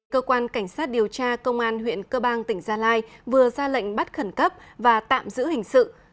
cơ quan cảnh sát điều tra công an huyện cơ bang tỉnh gia lai vừa ra lệnh bắt khẩn cấp và tạm giữ hình sự